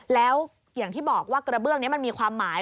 แล้วอย่างที่บอกว่ากระเบื้องนี้มันมีความหมาย